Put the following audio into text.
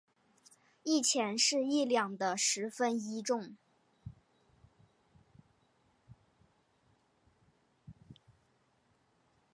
一钱是一两的十分一重。